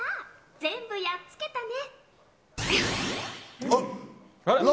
全部やっつけたね。